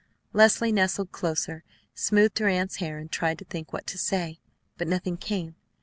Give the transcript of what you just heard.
Leslie nestled closer, smoothed her aunt's hair, and tried to think what to say; but nothing came.